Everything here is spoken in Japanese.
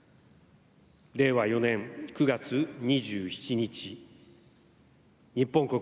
令和４年９月２７日日本国